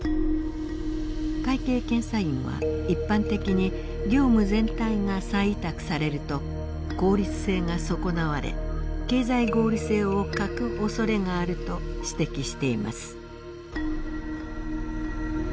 会計検査院は一般的に業務全体が再委託されると効率性が損なわれ経済合理性を欠くおそれがあると指摘しています。